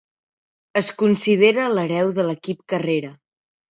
Es considera l'hereu de l'equip Carrera.